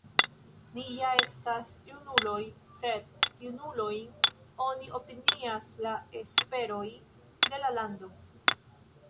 Ni ja estas junuloj, sed junulojn oni opinias la esperoj de la lando!